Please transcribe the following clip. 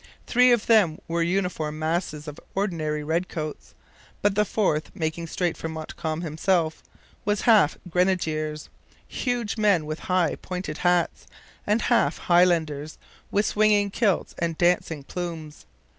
Three of them were uniform masses of ordinary redcoats. But the fourth, making straight for Montcalm himself, was half grenadiers, huge men with high pointed hats, and half Highlanders, with swinging kilts and dancing plumes.